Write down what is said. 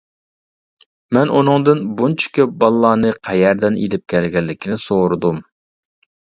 مەن ئۇنىڭدىن بۇنچە كۆپ بالىلارنى قەيەردىن ئېلىپ كەلگەنلىكىنى سورۇدۇم.